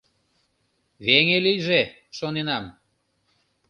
Веҥе лийже, шоненам...